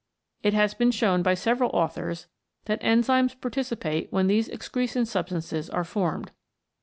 It has been shown by several authors that enzymes participate when these excretion substances are formed.